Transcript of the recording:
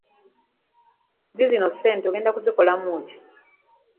Zino zona ssente ogenda kuzikolamu ki?